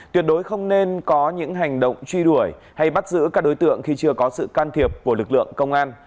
tuyệt đối không nên có những hành động truy đuổi hay bắt giữ các đối tượng khi chưa có sự can thiệp của lực lượng công an